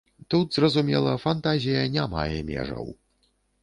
Тут, зразумела, фантазія не мае межаў.